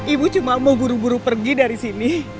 ibu cuma mau buru buru pergi dari sini